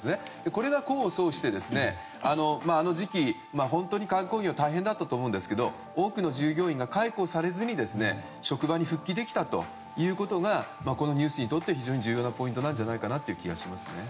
これが功を奏して、あの時期は本当に観光業大変だったと思うんですけど多くの従業員が解雇されずに職場に復帰できたというのがこのニュースにとって非常に重要なポイントじゃないかという気がしますね。